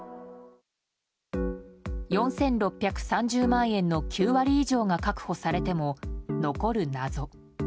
４６３０万円の９割以上が確保されても残る謎。